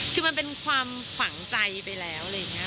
คือมันเป็นความฝังใจไปแล้วอะไรอย่างนี้